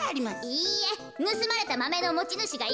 いいえぬすまれたマメのもちぬしがいるいじょう